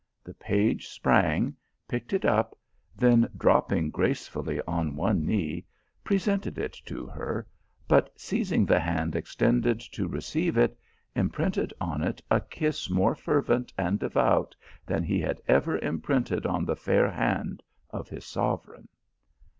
The page sprang, picked it up, then dropping gracefully on one knee, presented it to her, but, seizing the hand extended to receive it, imprinted on it a kiss more fervent and devout than he had ever imprinted on the fair hand of his sovereign.